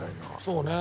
そうね。